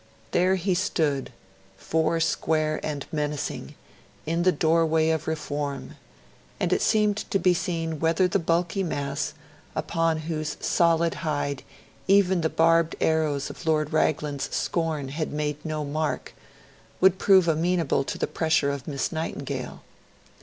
There he stood, four square and menacing in the doorway of reform; and it remained to be seen whether, the bulky mass, upon whose solid hide even the barbed arrows of Lord Raglan's scorn had made no mark, would prove amenable to the pressure of Miss Nightingale.